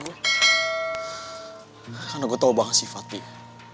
karena gue tau banget sifat dia